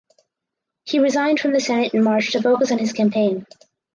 He resigned from the senate in March to focus on his campaign.